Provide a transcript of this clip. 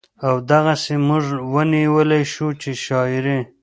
او دغسې مونږ وئيلے شو چې شاعري